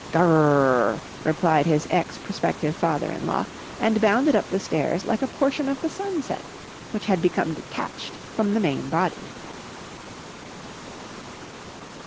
"Grrh!" replied his ex prospective father in law, and bounded up the stairs like a portion of the sunset which had become detached from the main body.